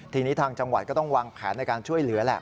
ทีนี้ทางจังหวัดก็ต้องวางแผนในการช่วยเหลือแหละ